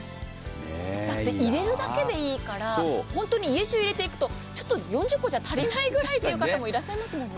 だって入れるだけでいいから本当に家中入れていくと４０個じゃ足りないぐらいという方もいらっしゃいますもんね。